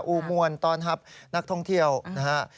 ูมวลตอนทับนักท่องเที่ยวนะฮะ